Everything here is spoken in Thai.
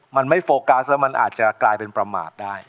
มันไม่โฟกัสแล้วมันอาจจะกลายเป็นประมาทได้